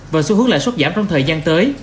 và xu hướng lợi xuất giảm trong thời gian tới